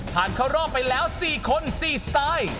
เข้ารอบไปแล้ว๔คน๔สไตล์